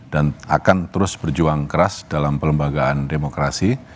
akan terus berjuang keras dalam pelembagaan demokrasi